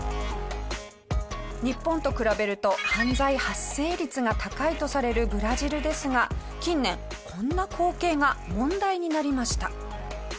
日本と比べると犯罪発生率が高いとされるブラジルですが近年こんな光景が問題になりました。